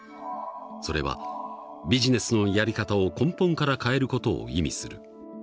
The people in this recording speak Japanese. それはビジネスのやり方を根本から変える事を意味する。